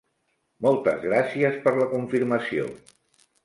Moltes gràcies per la confirmació.